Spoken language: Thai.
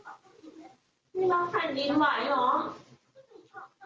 มันสะเทือนเนี่ยเอาไปดุ้งไปหมดเลยค่ะ